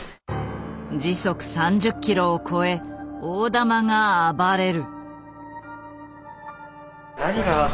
時速３０キロを超え大玉が暴れる。